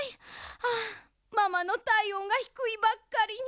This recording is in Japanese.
ああママのたいおんがひくいばっかりに。